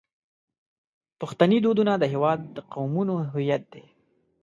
پښتني دودونه د هیواد د قومونو هویت دی.